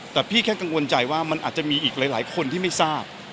แต่พี่แค่กังวลใจว่ามันอาจจะมีอีกหลายคนที่ไม่ทราบ